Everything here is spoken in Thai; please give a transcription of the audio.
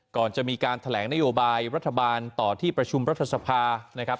ก่อนจะมีการแถลงนโยบายรัฐบาลต่อที่ประชุมรัฐสภานะครับ